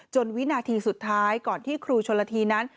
วินาทีสุดท้ายก่อนที่ครูชนละทีนั้น